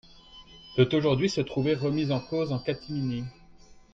peut aujourd’hui se trouver remise en cause en catimini.